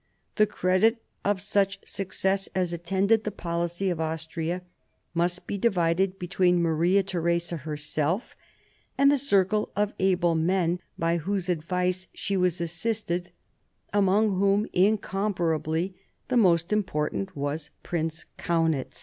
The credit of such success as attended the policy of Austria must be divided between Maria Theresa herself and the circle of able men by whose advice she was assisted, among whom incomparably the most important was Prince Kaunitz.